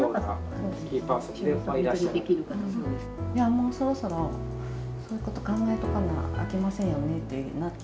もうそろそろそういうこと考えとかなあきませんよねってなって。